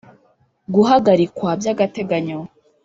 guhagarikwa by agateganyo